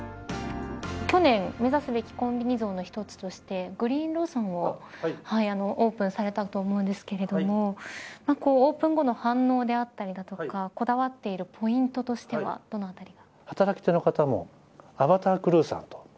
去年、目指すべきコンビニ像の１つとしてグリーンローソンをオープンされたと思うんですがオープン後の反応であったりとかこだわっているポイントとしてはどのあたりが。